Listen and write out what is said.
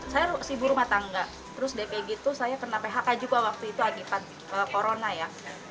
saya ibu rumah tangga terus dpg itu saya kena phk juga waktu itu akibat corona ya